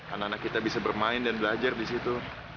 anak anak kita bisa bermain dan belajar disitu